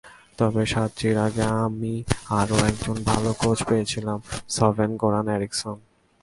তবে সাচ্চির আগে আমি আরও একজন ভালো কোচ পেয়েছিলাম—সভেন গোরান এরিকসন।